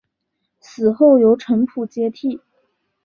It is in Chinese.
死后由程普接替。